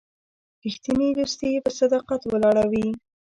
رښتینی دوستي په صداقت ولاړه وي.